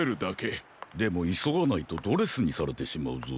でもいそがないとドレスにされてしまうぞ。